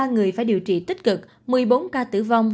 hai mươi ba người phải điều trị tích cực một mươi bốn ca tử vong